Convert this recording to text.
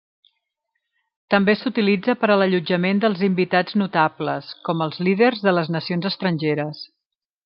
També s'utilitza per a l'allotjament dels invitats notables, com els líders de les nacions estrangeres.